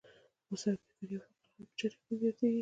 ورسره بېکاري او فقر هم په چټکۍ زیاتېږي